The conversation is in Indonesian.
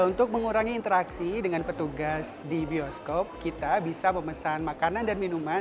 untuk mengurangi interaksi dengan petugas di bioskop kita bisa memesan makanan dan minuman